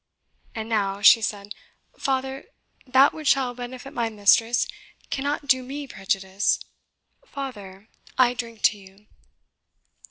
"And now," she said, "father, that which shall benefit my mistress, cannot do ME prejudice. Father, I drink to you."